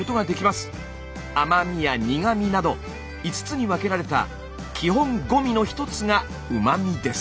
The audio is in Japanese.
甘味や苦味など５つに分けられた基本五味の一つがうま味です。